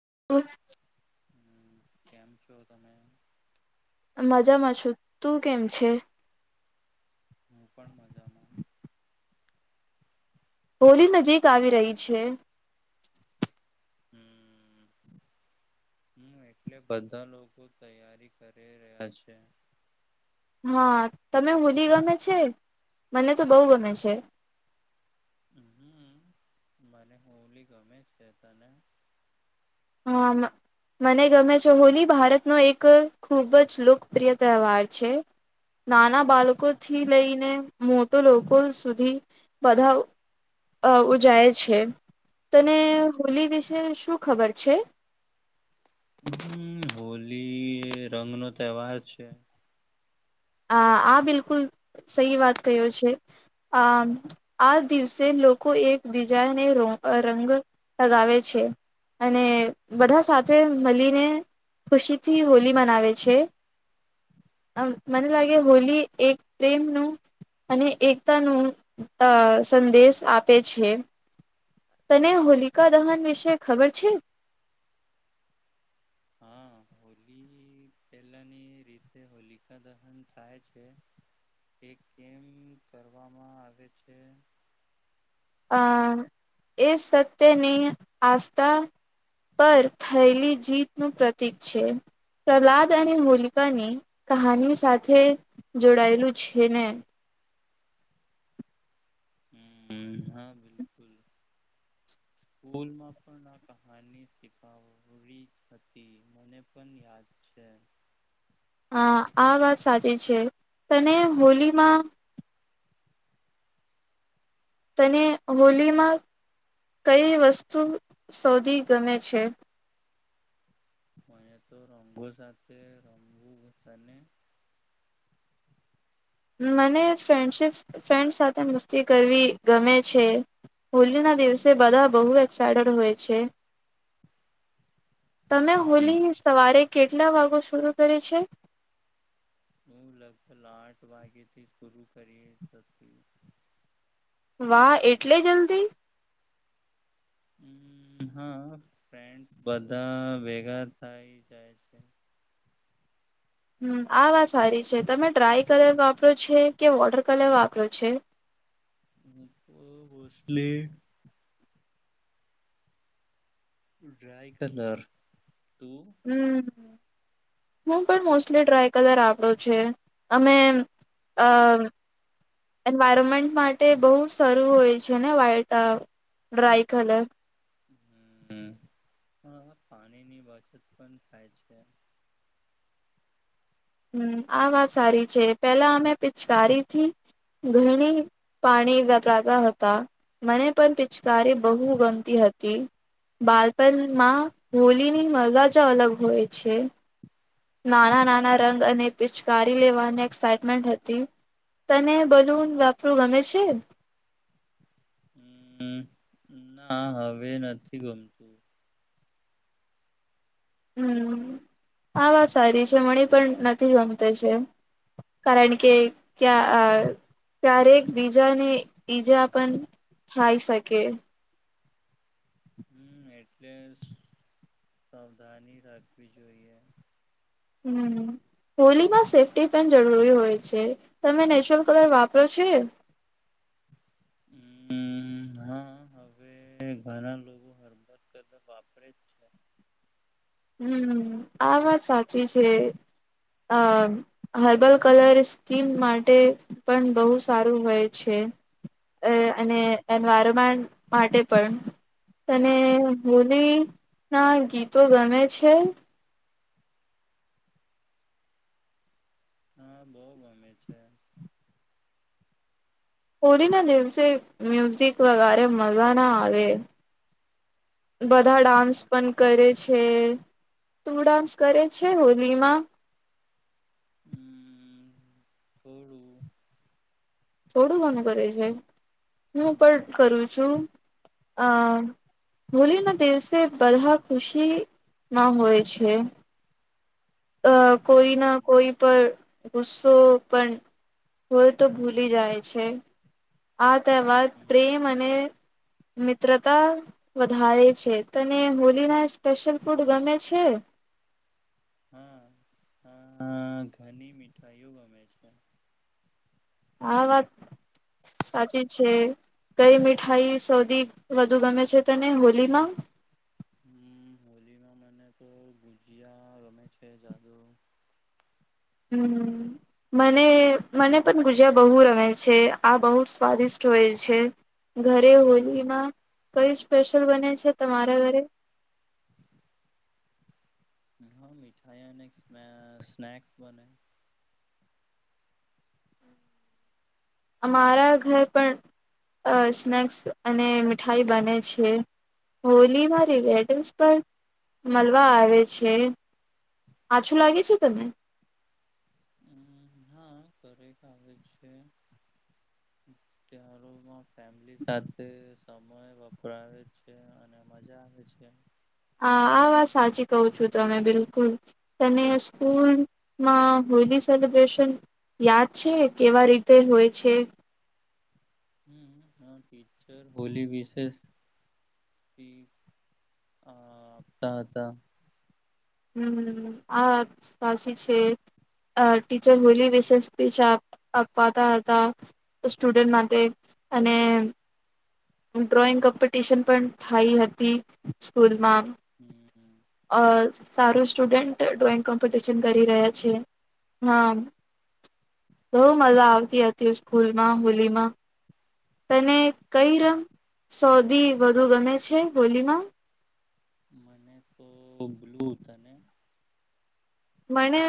[unintelligible] હમ કેમ છો તમે મજામાં છું, તું કેમ છે? હું પણ મજામાં. હોલી નજીક આવી રહી છે. હમ હમ એટલે બધા લોકો તૈયારી કરી રહ્યા છે. હા તમે હોલી ગમે છે, મને તો બહુ ગમે છે. હમ્મ મને હોલી ગમે છે. તને હા, મને ગમે છે હોલી ભારતનો એક ખૂબ જ લોકપ્રિય તહેવાર છે, નાના બાળકોથી લઈને મોટો લોકો સુધી બધા અ ઉજાય છે. તમે હોલી વિશે શું ખબર? છે. હમ્મ હોલી રંગનો તહેવાર છે. આ આ બિલકુલ સહી વાત કયો છે. આ આ દિવસે લોકો એકબીજાને ર રંગ લગાવે છે અને બધા સાથે મળીને ખુશીથી હોલી મનાવે છે મને લાગે હોલી એક પ્રેમનું અને એકતા નુ અ સંદેશ આપે છે. તને હોલિકા દહન વિશે ખબર છે. હા હોલી પહેલાની રીતે હોલિકા દહન થાય છે. એ કેમ કરવામાં આવે છે. અ એ સત્યની આસ્થા પર થયેલી જીતનું પ્રતિક છે. પ્રહલાદ અને હોલિકાની કહાની સાથે જોડાયેલું છે ને હમ હા બિલકુલ બુલમાં પણ આ કહાની [inaudible] હતી મને પન યાદ છે. હા આ વાત સાચી છે તને હોલીમાં તને હોલીમાં કઈ વસ્તુ શોધી ગમે છે મને તો રમંગો સાથે રમુને મને ફ્રેન્ડશિપ્ ફ્રેન્ડ સાથે મસ્તી કરવી ગમે છે હોલીના દિવસે બધા બહુ એક્સાઈટેડ હોય છે તમે હમ હોલી સવારે કેટલા વાગો શરૂ કરે છે હું લગભગ આઠ વાગે થી પૂરું કરી હતી વાહ એટલે જલ્દી હમ હા ફડ બધા ભેગા થાય જાય છે હમ આ વાત સારી છે તમે ડ્રાય કલર વાપરો છે કે વોટર કલર વાપરો છે હ ભોસલે ડ્રાય કલર તું હમ હું પણ મોસ્ટલી ડ્રાય કલર આપડ્યો છે અમે અ એન્વાયરમેન્ટ માટે બહુ સરારું હોય છે ને વ્હાઈટ ડ્રાય કલર હ હ પાણી ની બચત પણ થાય છે હમ આ વાત સારી છે પેલા અમે પિચકારીથી ઘણી પાણી વપરાતા હતા મને પણ પિચકારી બહુ ગમતી હતી બાળપણમાં હોલીની મજાજ અલગ હોય છે નાના નાના રંગ અને પિચકારી લેવાની એક્સાઈટમેન્ટ હતી તને બલૂન વાપરું ગમે છે હમ ના હવે નથી ગમતું હમ આા વાત સારી છે મણી પણ નથી ગમત છે કારણ કે ક્યા ક્યારેક બીજાને ઈજા પણ થાય શકે [inaudible] હમ એટલે સાવધાની રાખવી જોઈએ હમ હોલીમાં સેફ્ટી પેન્ટ જરૂરી હોય છે તમે નેચરલ કલર વાપરો છે હમ હા હવે ઘણા લોકો હરબત કરા વાપરે જ છે હમ આ વાત સાચી છે આ હર્બલ કલર સ્કીન માટે પણ બહુ સારું હોય છે અને એન્વાયરમેન્ટ માટે પણ તને હોલી ના ગીતો ગમે છે હા બહ ગમે છે હોળીના દિવસે મ્યુઝિક વગરે મળજવા ના આવે બધા ડાન્સ હમ પણ કરે છે તું ડાન્સ કરે છે હોલીમાં હમ બોળું થોડું ઘણું કરે છે હું પણ કરું છું અ હોલી ના દિવસે બધા ખુશીમાં હોય છે અ કોઈ હમ ના હમ કોઈ પર ગુસ્સો પણ હોય તો ભૂલી જાય છે હા માં હમ પ્રેમ અને મિત્રતા વધારે છે તને હોલી ના સ્પેશિયલ ફૂડ ગમે છે હા હ ઘણી મીઠાઈઓ ગમે છે હા વાત સાચી છે કઈ મીઠાઈ સૌથી વધુ ગમે છે તને હોલીમાં હમ હોલીમાં મને તો ગુજિયા રમે છે જાદુ હમ્મ મને મને પણ ગુજા બહુ રમે છે આ બહુ જ સ્વાદિષ્ટ હોય છે. ઘરે હોલીમાં હમ કઈ સ્પ [unintelligible] બને છે તમારા ઘરે. હા મિઠાઈ અને સ્નક્સ બને. અમારા ઘર પણ સ્નેક્સ અ અને મીઠાઈ બને છે હોલીમાંરી રિલેટિવસ પણ મળવા આવે છે આછું લાગે છે તમે. તેહવારો મા ફેમિલી સાથે સમય વપરાવે છે અને મજા આવે છે. હા આ વાત સાચી કહું છું તમે બિલકુલ તને સ્કૂલમાં હોલી સેલિબ્રેશન યાદ છે કેવા રીતે હોય છે. હમ્મ ટીચર હોલી વિશેષ સીપી આપતા હતા. હમ્મ આ સાચી છે ટીચર હોલી વિશે સ્પીચ આ અપાતા હતા સ્ટુડન્ટ માટે અને ડ્રોઈંગ કોમ્પિટિશન પણ થઇ હતી સ્કૂલમાં. હમ્મ. અ સારું સ્ટુડન્ટ ડ્રોઈંગ કોમ્પિટિશન કરી રહ્યા છે હા બહુ મજા આવતી હતી સ્કૂલમાં હોલીમાં. તને કઈ રંગ સોધી વધુ ગમે છે હોલીમાં. મને તો બ્લુ ત ને. મને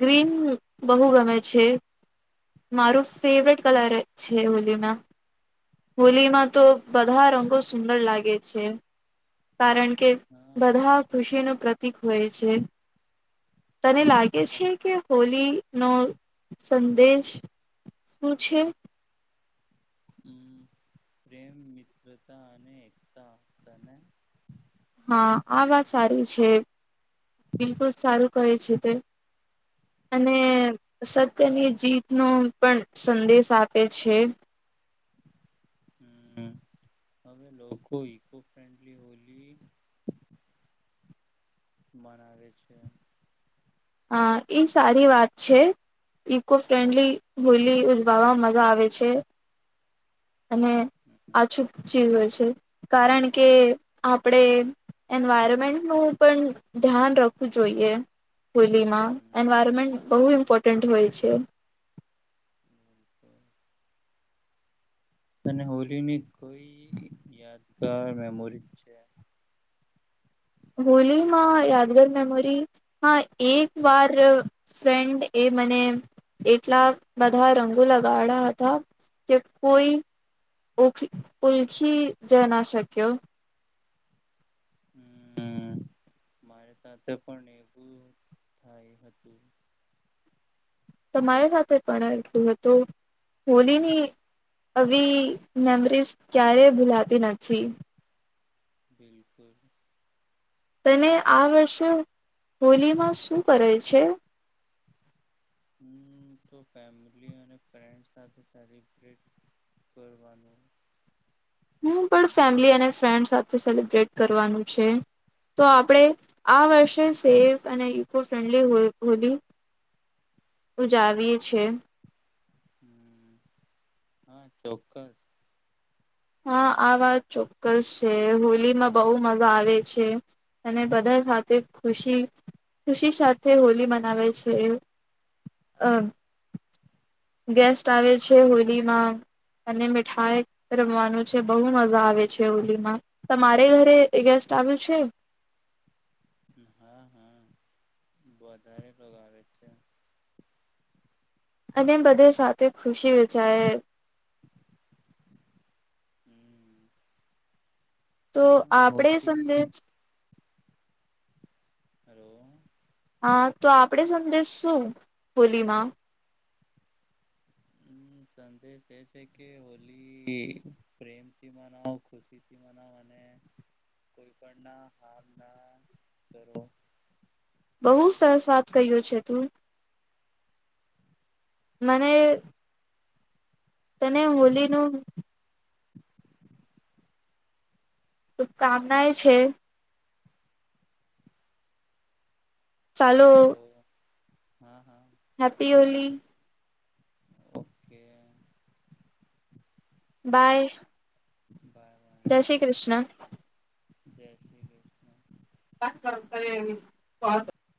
ગ્રીન બહુ ગમે છે. મારું ફેવરેટ કલર છે હોલી મે. હોલીમાં તો બધા રંગો સુંદર લાગે છે. કારણ કે હા બધા કૃષિનું ત હોય છે. તને લાગે છે કે હોલી. નો સંદેશ શું છે. હમ પ્રેમ મિત્રતા અને એકતા તને. હા આ વાત સારી છે બિલકુલ સારું કહે છે તે અને સત્યની જીતનો પણ સંદેશ આપે છે. [inaudible] અ એ સારી વાત છે ઈકો ફ્રેન્ડલી હોલી ઉજવવામાં મજા આવે છે અને હમ આછુક ચીઝ હોય છે કારણ કે આપણે એન્વાયરમેન્ટનું પણ ધ્યાન રખવું જોઈએ. હોલીમાં હમ, એન્વાયરમેન્ટ બહું ઈ ઇમપર્ટ હોય છે. અને હોલીની કોઈ યાદગાર મેમોરી છે. હોલીમાં યાદગાર મેમોરી હ એક વાર ફ્રેન્ડ એ મને એટલા બધા રંગો લગાડયા હતા કે કોઈ ઓ ઓલખી જ ના શક્યો. હમ મારી સાથે પણ એવું થાય હતું. તમારા સાથે પણ એટલું હતું. હોલી હમ ની. આવી મેમરીઝ ક્યારેય ભૂલાતી નથી. [inaudible] તને આ વર્ષે હોલીમાં શું કરે છે. હમ તો ફેમિલી અને ફડ સાથે સેલબટ કરવાનું હું પણ ફેમિલી અને ફ્રેન્ડ સાથે સેલિબ્રેટ કરવાનું છે, તો આપણે આ વર્ષે સેફ અને ઇકો ફ્રેન્ડલી હોલી ઉજાવીએ છીએ. હમ હા ચોક્કસ. હા આ વાત ચોક્કસ છે હોલીમાં બહુ મજા આવે છે, અને બધા સાથે ખુશી ખુશી સાથે હોલી મનાવે છે, અ ગેસ્ટ આવે છે હોલીમાં, અને મીઠાઈ રમવાનું છે બહુ મજા આવે છે હોલીમાં, તમારે ઘરે ગેસ્ટ આવ્યું છે. હા હા વધારે લોકો આવે છે. અને બધે સાથે ખુશી વિચારે હમ. તો પણ આપડે હોલી સંદેશ હલો. હા તો આપડે સમજ શું હોલીમાં? હમ, સંદેશ એ છે કે હોલી પ્રેમથી મનાવ ખુશી થી મનાવ અને કોઈ પણ ના હ ના કરો. [unintelligible] બહુ સરસ વાત ક્યો છે તું. મને તને હોલીનું [inaudible] શુભકામનાય છે. હલો. હા હા. [inaudible] Happy Holi. Okay. [inaudible] By. By. [inaudible] જય શ્રી કૃષ્ણ. જય શ્રી ક્રિષ્ના. [unintelligible]